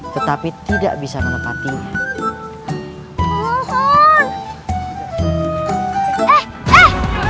tetapi tidak bisa menepatinya